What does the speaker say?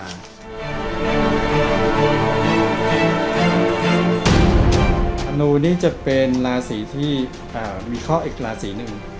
นูนี่จะเป็นราศีที่มีข้ออีกราศีหนึ่ง